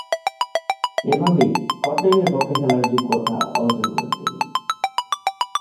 এভাবেই স্কটল্যান্ডের পক্ষে খেলার যোগ্যতা অর্জন করেন তিনি।